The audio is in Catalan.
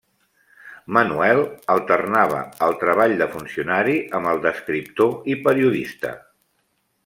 Manuel alternava el treball de funcionari amb el d'escriptor i periodista.